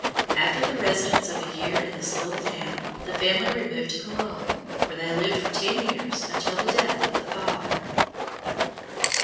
After the residence of a year in this little town, the family removed to Cologne, where they lived for ten years, until the death of the father.